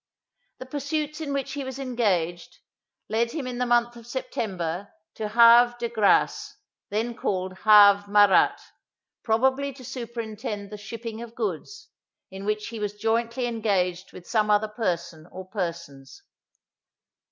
The pursuits in which he was engaged, led him in the month of September to Havre de Grace, then called Havre Marat, probably to superintend the shipping of goods, in which he was jointly engaged with some other person or persons.